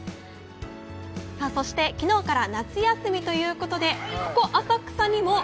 さあ、そして昨日から夏休みということでここ浅草にも。